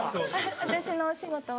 私のお仕事は。